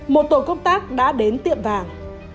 một tổ công tác đã đến tiệm vàng